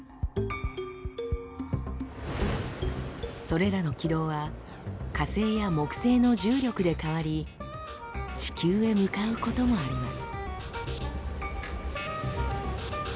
それらの軌道は火星や木星の重力で変わり地球へ向かうこともあります。